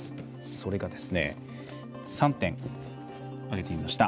それが３点、挙げてみました。